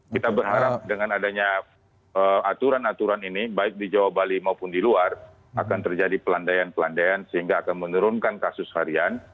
kita berharap dengan adanya aturan aturan ini baik di jawa bali maupun di luar akan terjadi pelandaian pelandaian sehingga akan menurunkan kasus harian